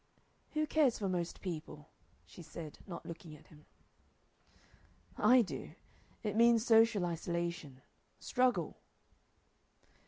"Who cares for most people?" she said, not looking at him. "I do. It means social isolation struggle."